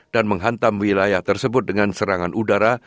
dan menghantam wilayah tersebut dengan serangan udara